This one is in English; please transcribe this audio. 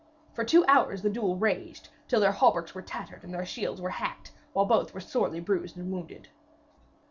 For two hours the duel raged, till their hauberks were tattered and their shields were hacked, while both were sorely bruised and wounded.